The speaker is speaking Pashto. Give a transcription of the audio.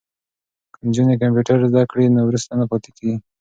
که نجونې کمپیوټر زده کړی نو وروسته نه پاتې کیږي.